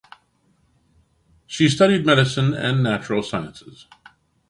She studied medicine and natural sciences.